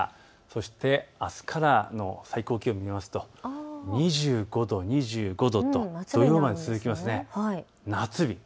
そしてあすからの最高気温を見ますと２５度、２５度と土曜まで続きます、夏日。